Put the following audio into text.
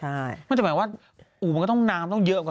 ใช่มันจะหมายว่าอู๋มันก็ต้องน้ำต้องเยอะกว่า